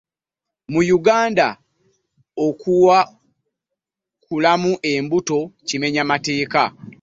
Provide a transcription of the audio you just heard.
Mu Yuganda okuwakulamu olubuto kimenya mateeka.